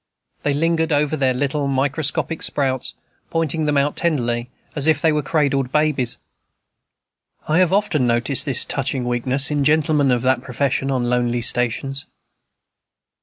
They lingered over the little microscopic sprouts, pointing them out tenderly, as if they were cradled babies. I have often noticed this touching weakness, in gentlemen of that profession, on lonely stations.